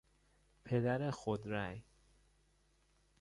پدر خودرای